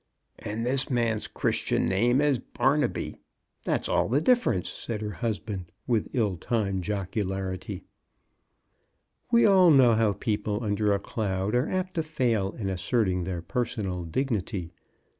And this man's Christian name is Barnaby ; that's all the 62 CHRISTMAS AT THOMPSON HALL. difference/' said her husband, with ill timed jocularity. We all know how people under a cloud are apt to fail in asserting their personal dignity.